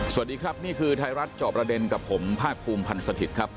สวัสดีครับนี่คือไทยรัฐจอบประเด็นกับผมภาคภูมิพันธ์สถิตย์ครับ